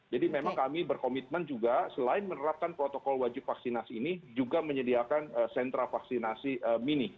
jadi memang kami berkomitmen juga selain menerapkan protokol wajib vaksinasi ini juga menyediakan sentra vaksinasi mini